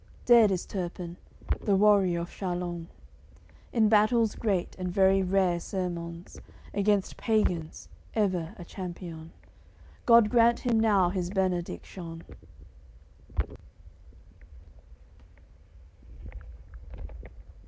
Dead is Turpin, the warrior of Charlon. In battles great and very rare sermons Against pagans ever a champion. God grant him now His Benediction!